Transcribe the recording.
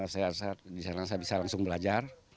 saya bisa langsung belajar